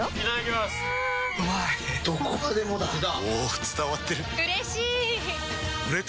どこまでもだあ！